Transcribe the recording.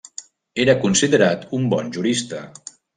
Era considerat un bon jurista.